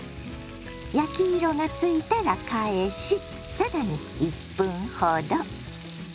焼き色がついたら返し更に１分ほど。